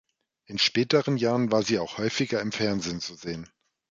In späteren Jahren war sie auch häufiger im Fernsehen zu sehen.